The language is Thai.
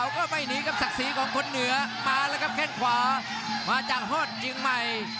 ของคนเหนือมาแล้วกับแข่งขวามาจากฮดจึงใหม่